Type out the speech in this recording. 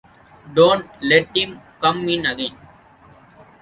Don't let him come in again.